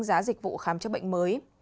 giá dịch vụ khám chữa bệnh mới